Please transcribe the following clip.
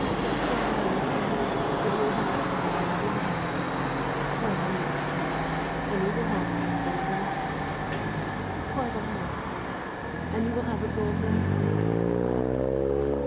Pour it on your hair and you will have a golden hair. Pour it on your cat and you will have a golden cat. Pour it on your clock and you will have a golden clock.